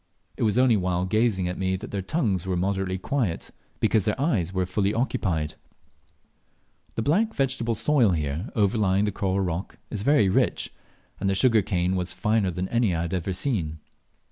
It was only while gazing at me that their tongues were moderately quiet, because their eyes were fully occupied. The black vegetable soil here overlying the coral rock is very rich, and the sugar cane was finer than any I had ever seen.